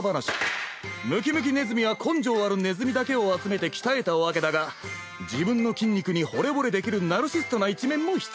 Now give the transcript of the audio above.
ムキムキねずみは根性あるネズミだけを集めて鍛えたわけだが自分の筋肉にほれぼれできるナルシストな一面も必要。